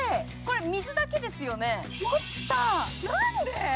これ、水だけですよね、何で。